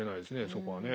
そこはね。